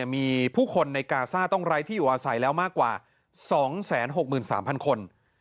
มีผู้คนในกาซ่าต้องไร้ที่อยู่อาศัยแล้วมากกว่า๒๖๓๐๐คน